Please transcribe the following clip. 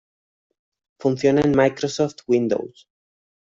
Funciona en Microsoft Windows.